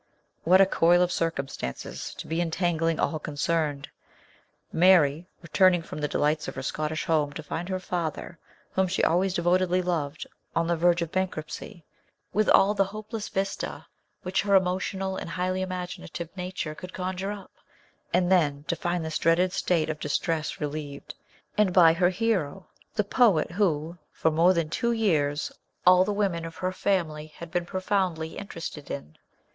What a coil of circumstances to be entangling all concerned! Mary returning from the delights of her Scottish home to find her father, whom she always devotedly loved, on the verge of bankruptcy, with all the hopeless vista which her emotional and highly imaginative nature could conjure up ; and then to find this dreaded state of distress relieved, and by her hero the poet who, for more than two years, "all the women of her family had been profoundly interested in."